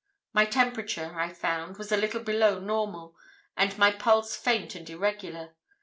My temperature, I found, was a little below normal and my pulse faint and irregular.